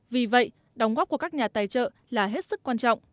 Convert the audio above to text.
vì vậy đóng góp của các nhà tài trợ là hết sức quan trọng